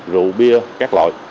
rượu bia các loại